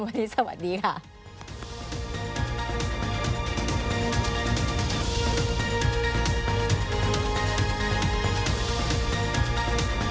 วันนี้สวัสดีค่ะ